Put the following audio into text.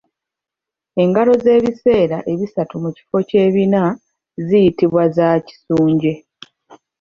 Engalo ez’ebiseera ebisatu mu kifo ky’ebina ziyitibwa za kisunje.